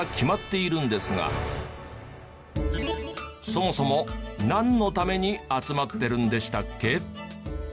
そもそもなんのために集まってるんでしたっけ？